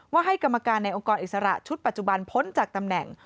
ให้กรรมการในองค์กรอิสระชุดปัจจุบันพ้นจากตำแหน่ง